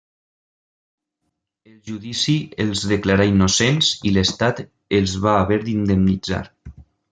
El judici els declarà innocents i l'Estat els va haver d'indemnitzar.